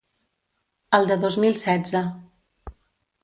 El de dos mil setze.